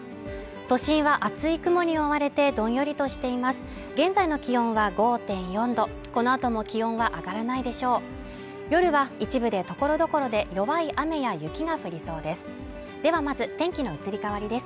都心は厚い雲に覆われてどんよりとしています